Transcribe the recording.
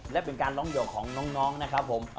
และเป็นการร้องหยกของน้องนะครับผม